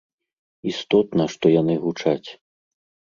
Істотна, што яны гучаць.